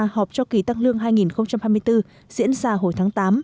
họp cho kỳ tăng lương hai nghìn hai mươi bốn diễn ra hồi tháng tám